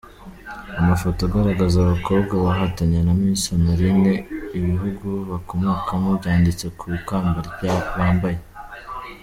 Amafoto agaragaza abakobwa bahatanye na Miss Honorine, ibihugu bakomokaho byanditse ku ikamba bambaye.